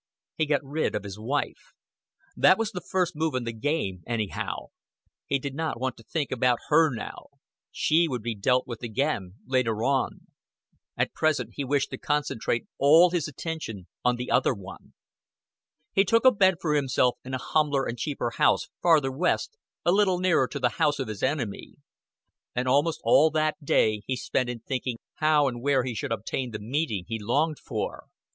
He got rid of his wife. That was the first move in the game anyhow. He did not want to think about her now; she would be dealt with again later on. At present he wished to concentrate all his attention on the other one. He took a bed for himself in a humbler and cheaper house farther west, a little nearer to the house of his enemy; and almost all that day he spent in thinking how and where he should obtain the meeting he longed for.